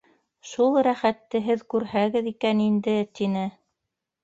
— Шул рәхәтте һеҙ күрһәгеҙ икән инде! — тине.